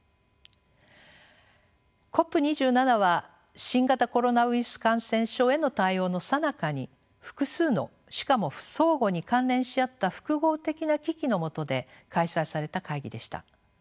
ＣＯＰ２７は新型コロナウイルス感染症への対応のさなかに複数のしかも相互に関連し合った複合的な危機のもとで開催された会議でした。